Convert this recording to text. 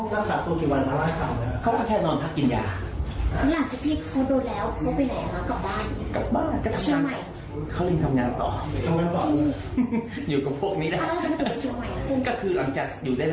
แล้วเขาก็ขาดตัวกี่วันมาร่างกล่าวนะครับเขาก็แค่นอนพักกินยา